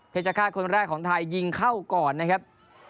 ฆาตคนแรกของไทยยิงเข้าก่อนนะครับ